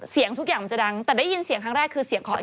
เสียงทุกอย่างมันจะดังแต่ได้ยินเสียงครั้งแรกคือเสียงของ